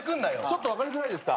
ちょっと分かりづらいですか？